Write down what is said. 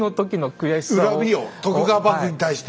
恨みを徳川幕府に対して。